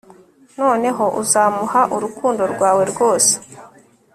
Noneho uzamuha urukundo rwawe rwose